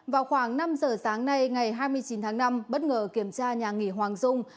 vào khoảng năm giờ sáng nay ngày hai mươi chín tháng năm bất ngờ kiểm tra nhà nghỉ hoàng dung